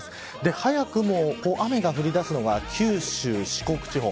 早くも雨が降りだすのが九州、四国地方。